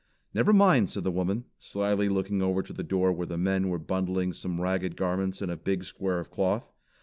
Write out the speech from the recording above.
"Never mind," said the woman, slyly looking over to the door where the men were bundling some ragged garments in a big square of cloth.